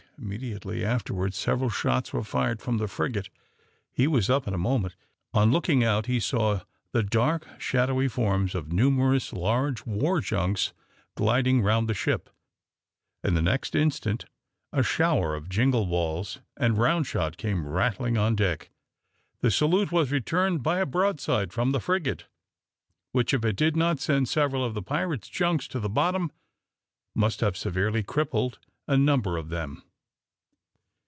Immediately afterwards several shots were fired from the frigate. He was up in a moment. On looking out he saw the dark shadowy forms of numerous large war junks gliding round the ship, and the next instant a shower of jingall balls and round shot came rattling on deck. The salute was returned by a broadside from the frigate, which, if it did not send several of the pirate's junks to the bottom, must have severely crippled a number of them.